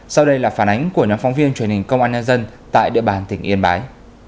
sau đây là phản ánh của nhóm phóng viên truyền hình công an nhân dân tại địa bàn tỉnh yên bái